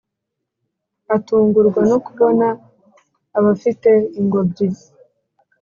atungurwa no kubona abafite ingobyi